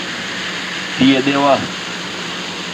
Thiedhe wa.